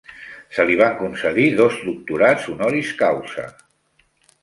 Se li van concedir dos doctorats Honoris Causa.